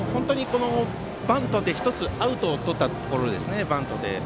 バントで１つアウトをとったところですね。